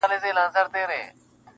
• د حق وینا یمه دوا غوندي ترخه یمه زه..